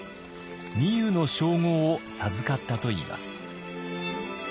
御湯の称号を授かったといいます。